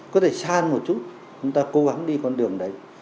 có thể san một chút chúng ta cố gắng đi con đường đấy